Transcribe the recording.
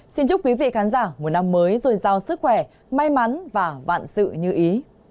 xin chúc quý vị khán giả một năm mới rồi giàu sức khỏe may mắn và vạn sự như ý